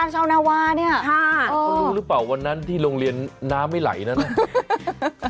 ชาวนาวาเนี่ยแล้วคุณรู้หรือเปล่าวันนั้นที่โรงเรียนน้ำไม่ไหลนะเนี่ย